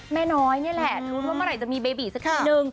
แม่น้อยเนี้ยละรู้ว่าเมื่อไรจะมีเบบีสักหนึ่ง